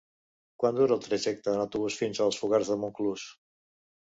Quant dura el trajecte en autobús fins a Fogars de Montclús?